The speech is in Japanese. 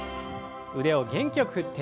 腕を元気よく振って。